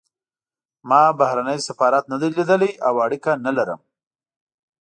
ما بهرنی سفارت نه دی لیدلی او اړیکه نه لرم.